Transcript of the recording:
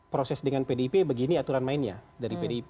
proses dengan pdip begini aturan mainnya dari pdip